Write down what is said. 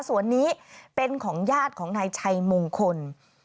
ส่วนนี้เป็นของญาติของนายชัยมงคล